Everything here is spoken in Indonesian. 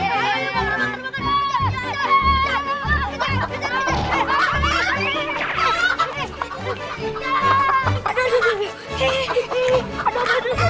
aduh aduh aduh